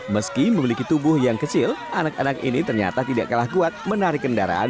meski memiliki tubuh yang kecil anak anak ini ternyata tidak kalah kuat menarik kendaraan